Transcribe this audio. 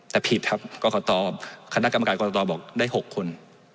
แต่ผิดครับกรกตคณะกรรมการกรกตบอกได้๖คน